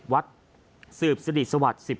๑๐วัดสืบสิริสวรรค